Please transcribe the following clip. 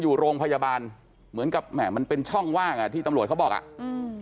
อยู่โรงพยาบาลเหมือนกับแหม่มันเป็นช่องว่างอ่ะที่ตำรวจเขาบอกอ่ะอืม